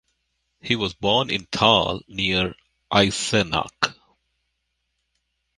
He was born in Thal near Eisenach.